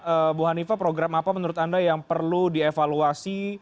ibu hanifah program apa menurut anda yang perlu dievaluasi